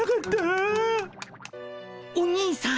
お兄さん。